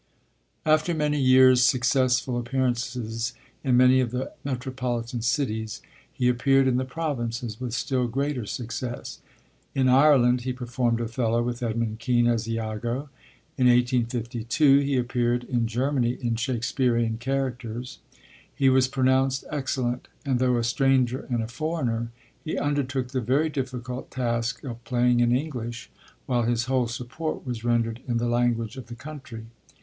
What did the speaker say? After many years' successful appearances in many of the metropolitan cities, he appeared in the Provinces with still greater success. In Ireland he performed Othello, with Edmund Kean as Iago. In 1852 he appeared in Germany in Shakespearean characters. He was pronounced excellent, and though a stranger and a foreigner, he undertook the very difficult task of playing in English, while his whole support was rendered in the language of the country.